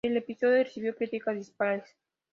El episodio recibió críticas dispares.